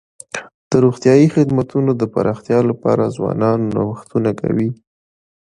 د روغتیايي خدمتونو د پراختیا لپاره ځوانان نوښتونه کوي.